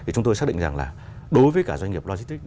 chúng tôi xác định rằng là đối với cả doanh nghiệp lôi stick